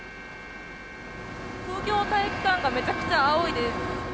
東京体育館がめちゃくちゃ青いです。